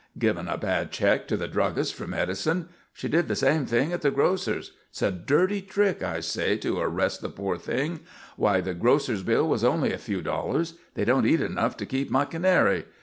"Giving a bad check to the druggist for medicine. She did the same thing at the grocer's. It's a dirty trick, I say, to arrest the poor thing. Why, the grocer's bill was only a few dollars. They don't eat enough to keep my canary.